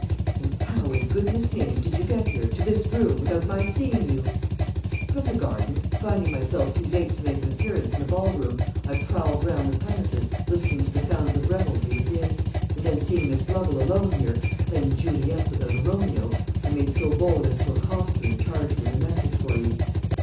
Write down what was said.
"And how, in goodness' name, did you get here, to this room, without my seeing you?" "From the garden. Finding myself too late to make an appearance in the ball room, I prowled round the premises, listening to the sounds of revelry within; and then seeing Miss Lovel alone here playing Juliet without a Romeo I made so bold as to accost her and charge her with a message for you."